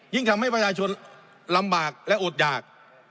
ทำให้ประชาชนลำบากและอดหยาก